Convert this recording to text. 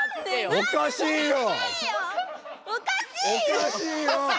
おかしいよ！